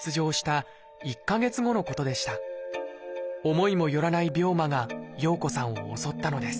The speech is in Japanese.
思いもよらない病魔が洋子さんを襲ったのです。